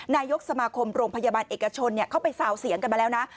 นายกสมาคมโรงพยาบาลเอกชนเข้าไปซาวเสียงกันมาแล้วนะ